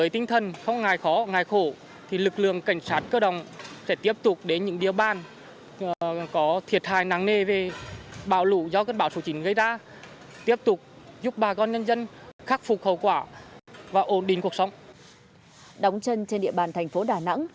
đóng chân trên địa bàn thành phố đà nẵng